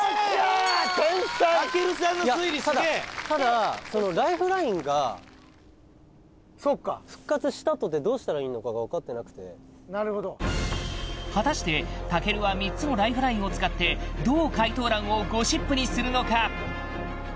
いやただただライフラインがそうか復活したとてどうしたらいいのかが分かってなくてなるほど果たして健は３つのライフラインを使ってどう解答欄をゴシップにするのか？